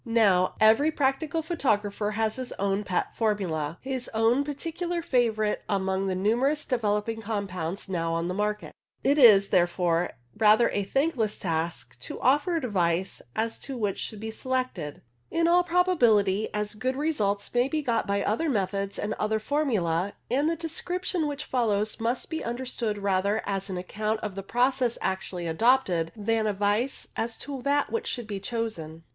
Now, every practical photographer has his own pet formula, his own particular favourite among the numerous developing compounds now on the market. It is, therefore, rather a thankless task to offer advice as to which should be selected. In all probability as good results may be got by other methods and other formulae, and the description which follows must be understood rather as an account of the process actually adopted, than advice as to that which should be chosen.